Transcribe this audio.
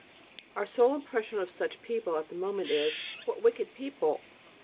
Our sole impression of such people at the moment is: "What wicked people!"